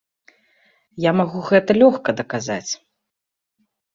Я магу гэта лёгка даказаць.